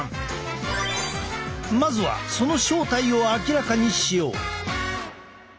まずはその正体を明らかにしよう。